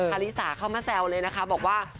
อริสาเข้ามาแซวเลยนะคะบอกว่า